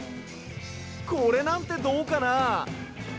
これなんてどうかな？